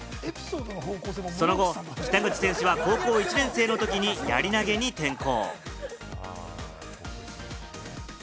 その後、北口選手は高校１年生のときにやり投げに転向。